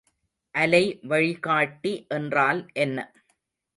அலைவழிகாட்டி என்றால் என்ன?